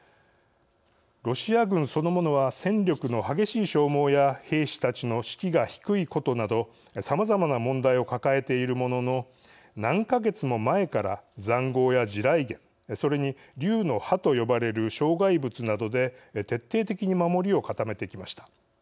ロシア軍そのものは戦力の激しい消耗や兵士たちの士気が低いことなどさまざまな問題を抱えているものの何か月も前からざんごうや地雷原それに竜の歯と呼ばれる障害物などで徹底的に守りを固めてきました。